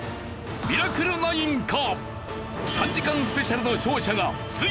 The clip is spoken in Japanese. ミラクル９か？